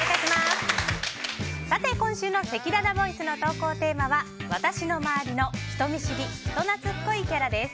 今週のせきららボイスの投稿テーマは私の周りの人見知り・人懐っこいキャラです。